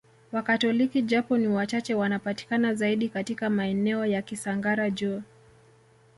Wakatoliki japo ni wachache wanapatikana zaidi katika maeneo ya Kisangara juu